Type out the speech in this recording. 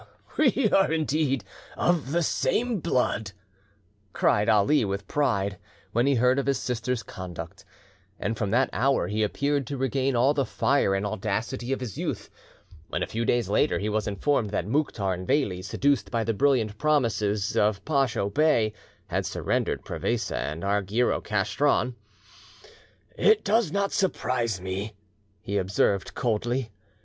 "We are indeed of the same blood!" cried Ali with pride, when he heard of his sister's conduct; and from that hour he appeared to regain all the fire and audacity of his youth. When, a few days later, he was informed that Mouktar and Veli, seduced by the brilliant promises of Dacha Bey, had surrendered Prevesa and Argyro Castron, "It does not surprise me," he observed coldly.